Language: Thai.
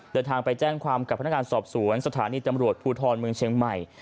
เดินทางไปแจ้งความกับพนักงานสอบสวนสถานีตำรวจภูทรเมืองเชียงใหม่